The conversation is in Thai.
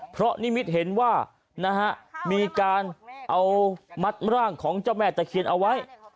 เพราะนิมิตเห็นว่านะฮะมีการเอามัดร่างของเจ้าแม่ตะเคียนเอาไว้